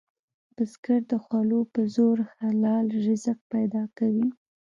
بزګر د خولو په زور حلال رزق پیدا کوي